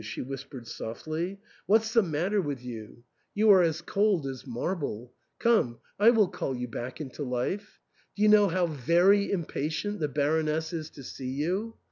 she whispered softly ;'* what's the matter with you ? 254 THE ENTAIL, You are as cold as marble. Come, I will call you back into life. Do you know how very impatient the Baroness is to see you